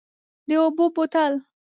د اوبو بوتل،